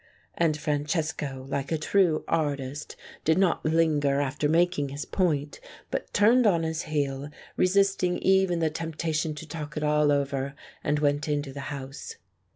And Francesco, like a true artist, did not linger after making his point, but turned on his heel, resist ing even the temptation to talk it all over, and went into the house.